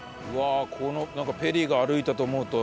このなんかペリーが歩いたと思うと。